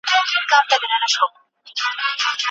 انسان خپل شخصیت له ټولنې اخلي.